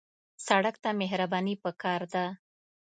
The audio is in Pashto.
سړک ته مهرباني پکار ده.